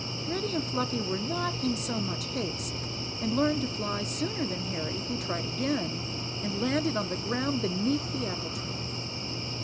Reddy and Fluffy were not in so much haste, and learned to fly sooner than Harry, who tried again, and landed on the ground beneath the apple tree.